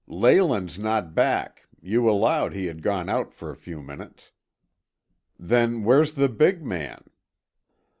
"Leyland's not back; you allowed he had gone out for a few minutes. Then where's the big man?"